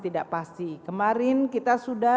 tidak pasti kemarin kita sudah